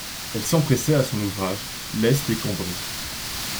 Elle s'empressait à son ouvrage, leste et cambrée.